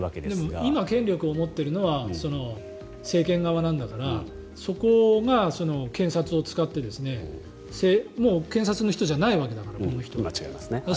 でも今権力を持っているのは政権側なんだからそこが検察を使ってもう検察の人じゃないわけだからこの人は。